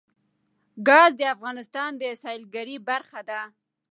ګاز د افغانستان د سیلګرۍ برخه ده.